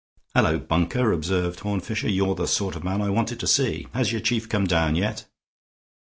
"Hullo, Bunker!" observed Horne Fisher. "You're the sort of man I wanted to see. Has your chief come down yet?"